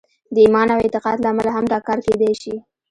د ایمان او اعتقاد له امله هم دا کار کېدای شي